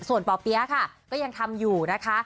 ส่วนป่อเปี๊ยะค่ะก็ยังทำอยู่นะคะ